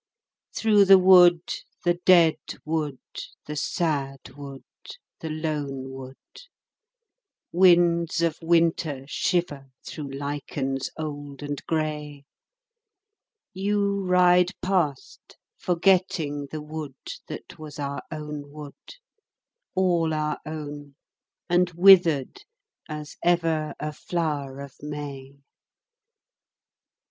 Through the wood, the dead wood, the sad wood, the lone wood, Winds of winter shiver through lichens old and grey, You ride past forgetting the wood that was our own wood, All our own and withered as ever a flower of May.